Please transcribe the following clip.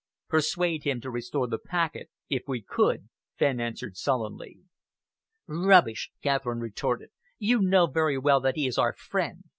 "Persuade him to restore the packet, if we could," Fenn answered sullenly. "Rubbish!" Catherine retorted. "You know very well that he is our friend.